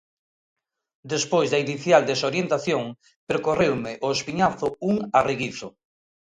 Despois da inicial desorientación, percorreume o espiñazo un arreguizo.